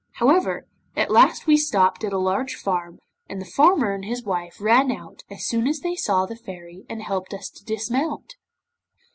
However, at last we stopped at a large farm, and the farmer and his wife ran out as soon as they saw the Fairy, and helped us to dismount.